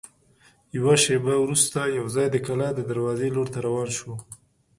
یوه شېبه وروسته یوځای د کلا د دروازې لور ته روان شوو.